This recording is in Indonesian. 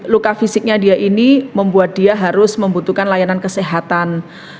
luka fisiknya dia ini membuat dia harus membutuhkan layanan kesehatan